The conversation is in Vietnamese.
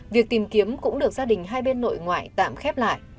việc tìm kiếm cũng được gia đình hai bên nội ngoại tạm khép lại